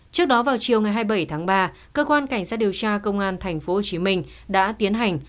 trước đó vào chiều ngày hai mươi bảy tháng ba cơ quan cảnh sát điều tra công an tp hcm đã tiến hành